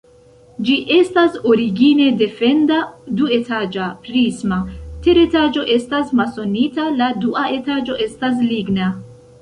Ĝi estas origine defenda, duetaĝa, prisma, teretaĝo estas masonita, la dua etaĝo estas ligna.